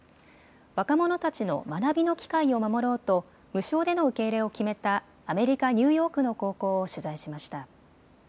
若者たちの学びの機会を守ろうと無償での受け入れを決めたアメリカ、ニューヨークの高校を取材しました。